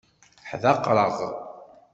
Ḥdaqreɣ.